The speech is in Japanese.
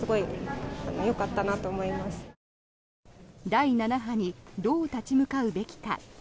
第７波にどう立ち向かうべきか。